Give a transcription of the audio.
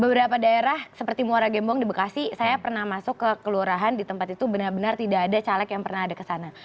beberapa daerah seperti muara gembong di bekasi saya pernah masuk ke kelurahan di tempat itu benar benar tidak ada caleg yang pernah ada kesana